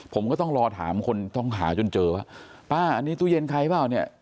ผมก็ต้องรอถามคนต้องหาจนเจอว่าป้าอันนี้ตู้เย็นใครเปล่าเนี่ย